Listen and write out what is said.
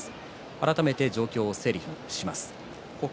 改めて状況を整理します。